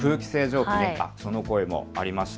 その声もありました。